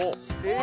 え